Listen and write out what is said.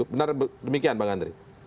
benar demikian pak andre